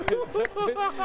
ハハハハ！